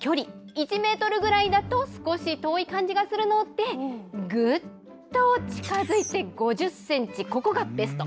１メートルぐらいだと少し遠い感じがするので、ぐっと近づいて５０センチ、ここがベスト。